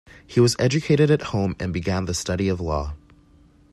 He was educated at home, and began the study of law.